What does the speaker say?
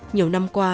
nhiều năm qua